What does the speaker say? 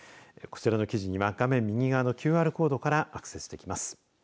この記事は画面右側のＱＲコードからアクセスできます。